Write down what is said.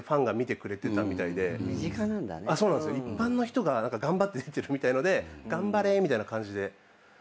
一般の人が頑張って出てるみたいので「頑張れ」みたいな感じで。